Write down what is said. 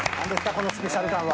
このスペシャル感は。